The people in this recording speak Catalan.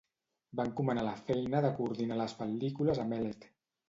Va encomanar la feina de coordinar les pel·lícules a Mellett.